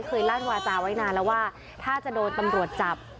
ลั่นวาจาไว้นานแล้วว่าถ้าจะโดนตำรวจจับ